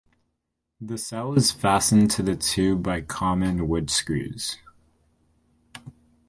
The cell is fastened to the tube by common wood-screws.